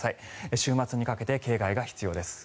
週末にかけて警戒が必要です。